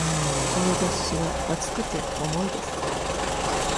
この雑誌は厚くて、重いです。